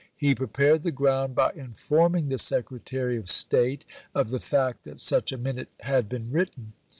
He prepared the ground by informing the Secretary of State of the fact that such a Minute had been written.